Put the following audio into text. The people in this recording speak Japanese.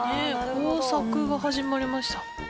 工作が始まりました。